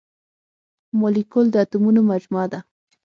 مالیکول د اتومونو مجموعه ده.